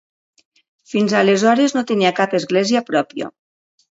Fins aleshores no tenia cap església pròpia.